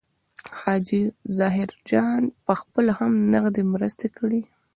حاجي ظاهرجان پخپله هم نغدي مرستې کړي.